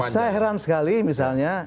saya heran sekali misalnya